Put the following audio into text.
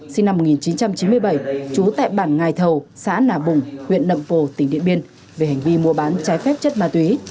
sinh năm một nghìn chín trăm chín mươi bảy trú tại bản ngài thầu xã nà bùng huyện nậm pồ tỉnh điện biên về hành vi mua bán trái phép chất ma túy